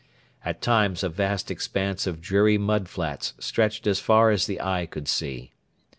At times a vast expanse of dreary mud flats stretched as far as the eye could see.